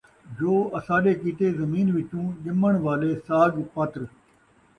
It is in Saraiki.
جو اَساݙے کیتے زمین وِچوں ڄَمݨ والے ساڳ پَتر،